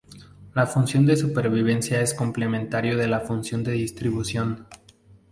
La función de supervivencia es el complementario de la función de distribución.